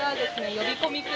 呼び込み君？